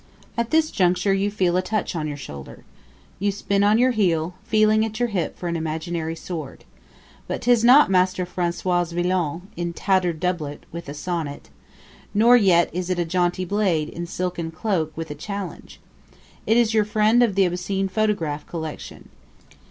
At this juncture you feel a touch on your shoulder. You spin on your heel, feeling at your hip for an imaginary sword. But 'tis not Master Francois Villon, in tattered doublet, with a sonnet. Nor yet is it a jaunty blade, in silken cloak, with a challenge. It is your friend of the obscene photograph collection.